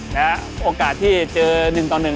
และโอกาสที่เจอหนึ่งต่อหนึ่ง